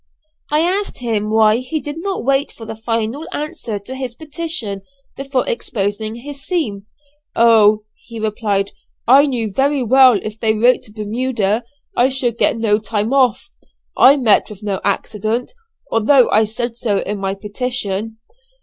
I asked him why he did not wait for the final answer to his petition before exposing his scheme? "Oh," he replied, "I knew very well if they wrote to Bermuda I should get no time off. I met with no accident, although I said so in my petition."